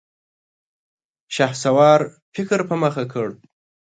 شهسوار فکر په مخه کړ.